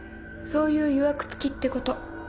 そういういわく付きってこと。